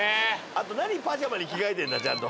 あと何パジャマに着替えてんだちゃんと。